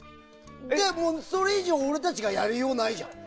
それ以上俺たちがやりようないじゃん。